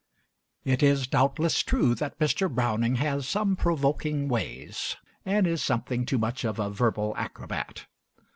It is doubtless true that Mr. Browning has some provoking ways, and is something too much of a verbal acrobat.